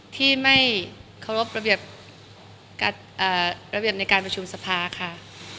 ที่ไม่เคารพระเบียบระเบียบในการประชุมสภาค่ะ